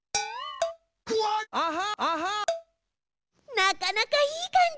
なかなかいい感じ。